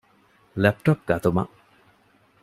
ލެޕްޓޮޕް ގަތުމަށް.